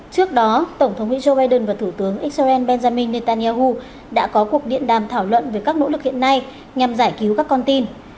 trước đó tổng thống mỹ joe biden và thủ tướng israel benjamin netanyahu đã có cuộc điện đàm thảo luận về các nỗ lực hiện nay nhằm giải cứu các con tin